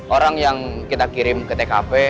orang yang kita kirim ke tkp